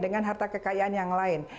dengan harta kekayaan yang lain